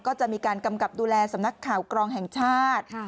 ก็จะมีการกำกับดูแลสำนักข่าวกรองแห่งชาติ